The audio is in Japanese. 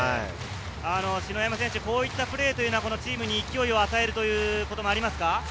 篠山選手、こういったプレーは、チームに脅威を与えるということもありますか？